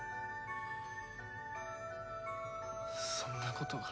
そんなことが。